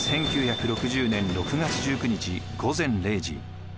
１９６０年６月１９日午前０時